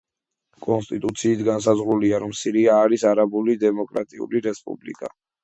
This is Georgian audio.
კონსტიტუციით განსაზღვრულია, რომ სირია არის არაბული დემოკრატიული რესპუბლიკა.